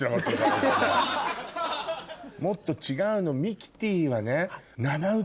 もっと違うの。